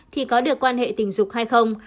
thì có được quan hệ tình dục hay không